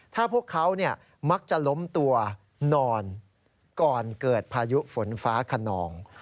ถ้าพวกเขามักจะล้มตัวนอนก่อนเกิดพายุฝนฟ้าขนอง